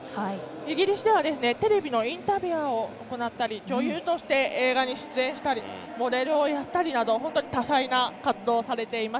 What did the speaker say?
イギリスでは、テレビのインタビュアーを行ったり女優として映画に出演したりモデルをやったりなど多彩な活動をされています。